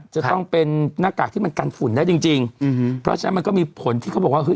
จะต้องเป็นหน้ากากที่มันกันฝุ่นได้จริงจริงอืมเพราะฉะนั้นมันก็มีผลที่เขาบอกว่าคือ